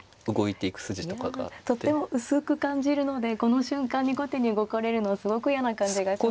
とても薄く感じるのでこの瞬間に後手に動かれるのはすごく嫌な感じがしますね。